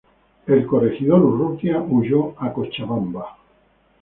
El corregidor Urrutia huyó a Cochabamba.